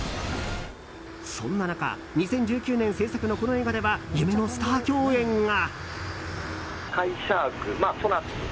そんな中２０１９年制作のこの映画では夢のスター共演が。